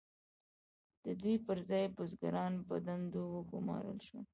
د دوی پر ځای بزګران په دندو وګمارل شول.